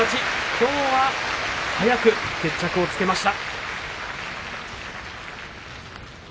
きょうは早く決着をつけました。